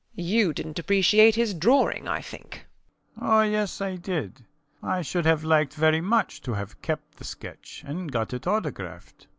You didnt appreciate his drawing, I think. SCHUTZMACHER. Oh yes I did. I should have liked very much to have kept the sketch and got it autographed.